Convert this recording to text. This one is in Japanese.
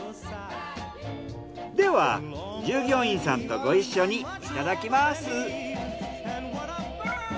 では従業員さんとご一緒にいただきます。